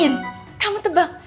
in kamu tebak